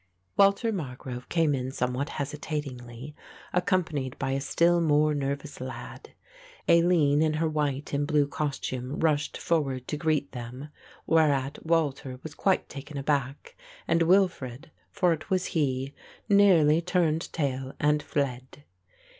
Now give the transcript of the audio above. Walter Margrove came in somewhat hesitatingly, accompanied by a still more nervous lad. Aline in her white and blue costume rushed forward to greet them; whereat Walter was quite taken aback and Wilfred, for it was he, nearly turned tail and fled.